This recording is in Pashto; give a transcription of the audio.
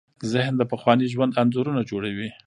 ذهن د پخواني ژوند انځورونه جوړوي.